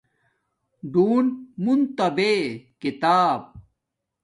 ڈون مُون تا بے کتاب